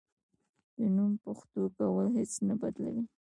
د نوم پښتو کول هیڅ نه بدلوي.